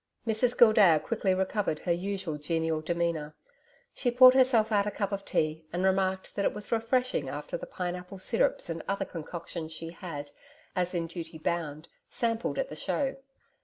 Mrs Gildea quickly recovered her usual genial demeanour. She poured herself out a cup of tea, and remarked that it was refreshing after the pine apple syrups and other concoctions she had, as in duty bound, sampled at the Show.